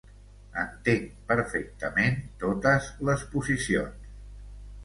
Entenc perfectament totes les posicions.